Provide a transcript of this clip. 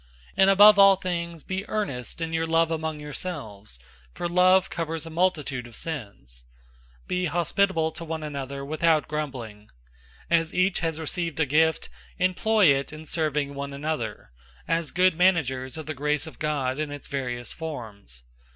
004:008 And above all things be earnest in your love among yourselves, for love covers a multitude of sins. 004:009 Be hospitable to one another without grumbling. 004:010 As each has received a gift, employ it in serving one another, as good managers of the grace of God in its various forms.